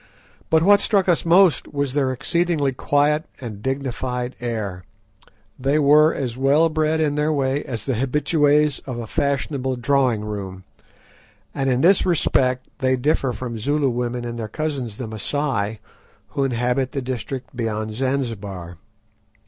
But what struck us most was their exceedingly quiet and dignified air. They were as well bred in their way as the habituées of a fashionable drawing room, and in this respect they differ from Zulu women and their cousins the Masai who inhabit the district beyond Zanzibar.